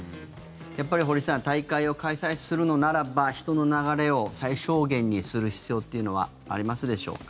やっぱり、堀さん大会を開催するのならば人の流れを最小限にする必要というのはありますでしょうか。